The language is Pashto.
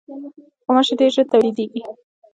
غوماشې ډېر ژر تولیدېږي.